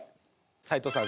齊藤さん